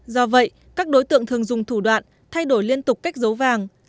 do vậy các đối tượng thường dùng thủ đoạn thay đổi liên tục cách giấu vàng